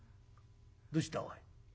どうしたおい。